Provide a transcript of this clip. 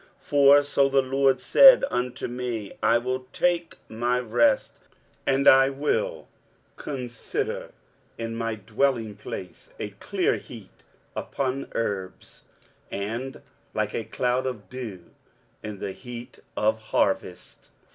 23:018:004 For so the LORD said unto me, I will take my rest, and I will consider in my dwelling place like a clear heat upon herbs, and like a cloud of dew in the heat of harvest.